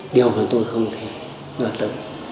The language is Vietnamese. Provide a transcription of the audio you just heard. điều mà tôi không thể ngờ tự